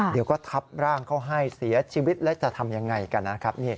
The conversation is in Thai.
เดี๋ยวก็ทับร่างเขาให้เสียชีวิตแล้วจะทำยังไงกันนะครับ